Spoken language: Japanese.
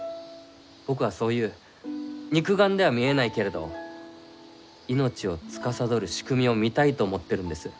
僕はそういう肉眼では見えないけれど命をつかさどる仕組みを見たいと思ってるんです。